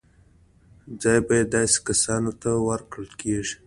ځای به یې داسې کسانو ته ورکول کېږي.